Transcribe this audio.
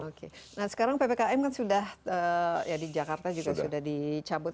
oke nah sekarang ppkm kan sudah ya di jakarta juga sudah dicabut